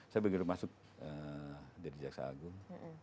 saya begitu masuk dari jaksa agung